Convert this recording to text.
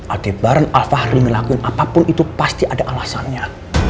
adeb barna alvari ngelakuin apapun itu pasti ada alasannya